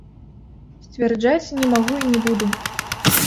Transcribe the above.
Сцвярджаць не магу і не буду.